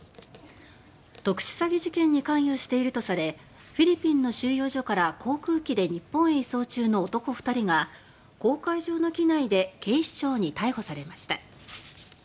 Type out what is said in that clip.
特殊詐欺事件に関与しているとされフィリピンの収容所から航空機で日本へ移送中の男２人が公海上の機内で警視庁に逮捕されました。